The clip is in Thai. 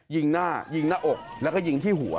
ยิงหน้ายิงหน้าอกแล้วก็ยิงที่หัว